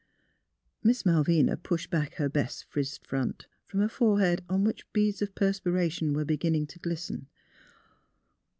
Miss Malvina pushed back her best frizzed front from a forehead on which beads of perspira tion were beginning to glisten.